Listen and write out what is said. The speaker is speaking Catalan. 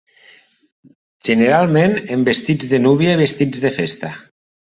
Generalment en vestits de núvia i vestits de festa.